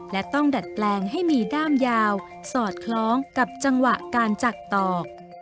และต้องดัดแปลงให้มีด้ามยาวสอดคล้องกับจังหวะการจักตอก